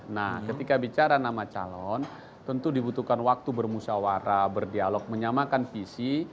nah ketika bicara nama calon tentu dibutuhkan waktu bermusyawara berdialog menyamakan visi